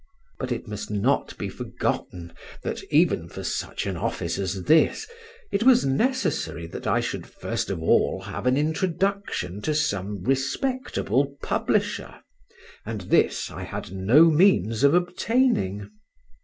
But it must not be forgotten that, even for such an office as this, it was necessary that I should first of all have an introduction to some respectable publisher, and this I had no means of obtaining.